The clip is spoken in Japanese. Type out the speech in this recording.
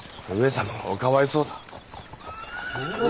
上様がおかわいそうだ。